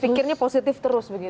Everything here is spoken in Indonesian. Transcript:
pikirnya positif terus begitu